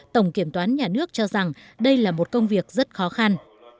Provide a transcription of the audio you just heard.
tổng kiểm toán nhà nước cho rằng đây là một công việc rất khó khăn